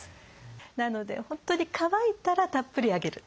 なので本当に乾いたらたっぷりあげる。